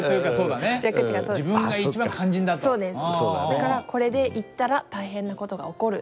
だからこれで行ったら大変な事が起こる。